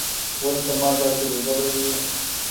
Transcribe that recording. ولې ته ما داسې روزلى يې.